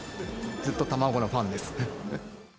ずっと卵のファンです。